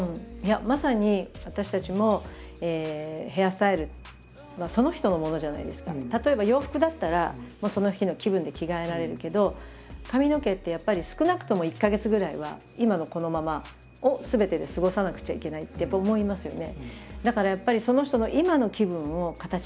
まさに私たちも例えば洋服だったらその日の気分で着替えられるけど髪の毛ってやっぱり少なくとも１か月ぐらいは今のこのままをすべてで過ごさなくちゃいけないってやっぱ思いますよね。